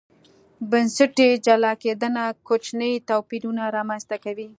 بنسټي جلا کېدنه کوچني توپیرونه رامنځته کوي.